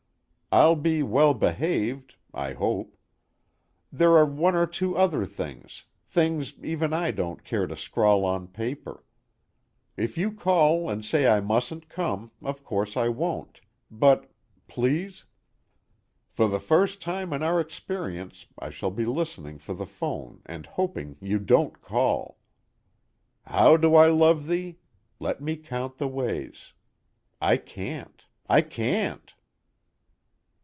I'll be well behaved (I hope). There are one or two other things things even I don't care to scrawl on paper. If you call and say I mustn't come, of course I won't, but please? "For the first time in our experience I shall be listening for the phone and hoping you don't call. 'How do I love thee? Let me count the ways' I can't, I can't.